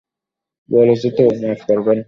বলেছি তো, মাফ করবেন!